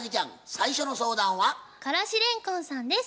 最初の相談は？からし蓮根さんです。